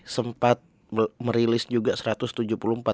sempat merilis juga satu ratus tujuh puluh empat